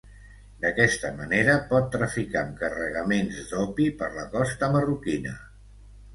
D'aquesta manera, pot traficar amb carregaments d'opi per la costa marroquina.